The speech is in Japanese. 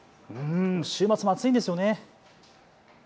週末も暑いんですよね。